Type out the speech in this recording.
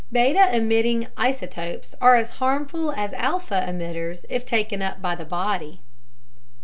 Beta emitting isotopes are as harmful as alpha emitters if taken up by the body.